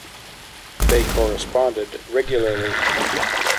They corresponded regularly.